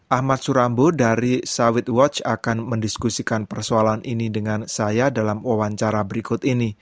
ahmad surambo dari sawit watch akan mendiskusikan persoalan ini dengan saya dalam wawancara berikut ini